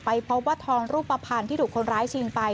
พบว่าทองรูปภัณฑ์ที่ถูกคนร้ายชิงไป